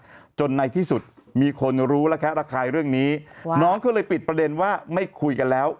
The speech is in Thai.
จนในที่สุดมีคนรู้ระแคะระคายเรื่องนี้น้องก็เลยปิดประเด็นว่าไม่คุยกันแล้ว